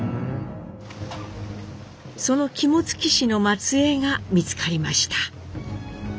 その肝付氏の末えいが見つかりました。